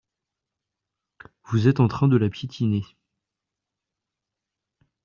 Vous êtes en train de la piétiner.